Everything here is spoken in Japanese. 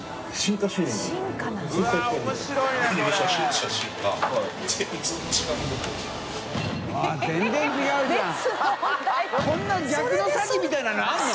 海鵑逆の詐欺みたいなのあるの？